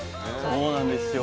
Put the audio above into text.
そうなんですよ。